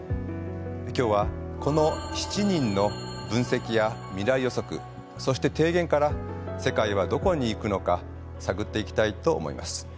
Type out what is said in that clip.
今日はこの７人の分析や未来予測そして提言から世界はどこに行くのか探っていきたいと思います。